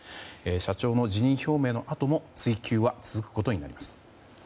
社長の辞任表明のあとも追及は続くことになります。